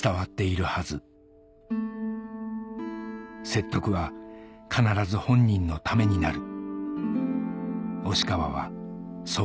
「説得は必ず本人のためになる」